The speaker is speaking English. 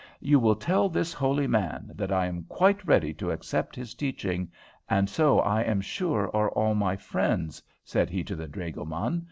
"You will tell this holy man that I am quite ready to accept his teaching, and so I am sure are all my friends," said he to the dragoman.